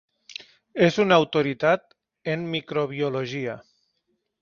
És una autoritat en microbiologia.